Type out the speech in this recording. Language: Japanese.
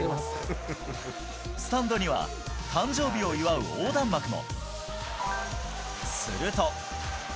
スタンドには、誕生日を祝う横断幕も。すると。